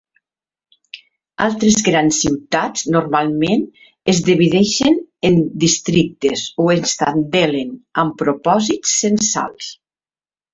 Altres grans ciutats normalment es divideixen en districtes o stadsdelen amb propòsits censals.